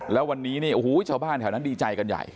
แล้ววันนี้เนี่ยโอ้โหชาวบ้านแถวนั้นดีใจกันใหญ่